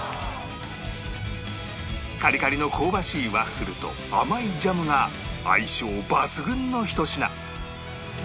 カリカリの香ばしいワッフルと甘いジャムが相性抜群のひと品